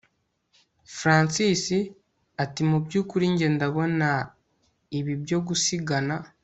Francis atimubyukuri jye ndabona ibi byogusigana